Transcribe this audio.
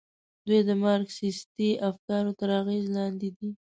دوی د مارکسیستي افکارو تر اغېز لاندې دي.